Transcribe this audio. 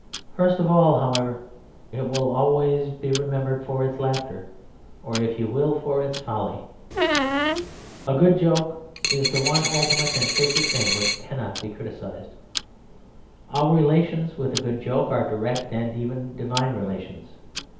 First of all, however, it will always be remembered for its laughter, or, if you will, for its folly. A good joke is the one ultimate and sacred thing which cannot be criticised. Our relations with a good joke are direct and even divine relations.